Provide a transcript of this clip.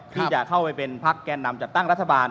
ที่จะเข้าไปเป็นพักแก่นำจัดตั้งรัฐบาล